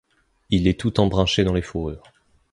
Il est tout embrunché dans les fourrures.